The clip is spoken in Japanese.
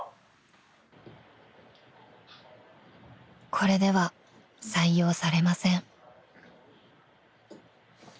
［これでは採用されません］